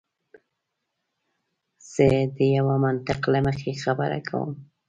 زه د یوه منطق له مخې خبره کوم.